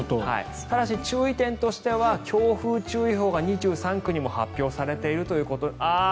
ただし、注意点としては強風注意報が２３区にも発表されているということ。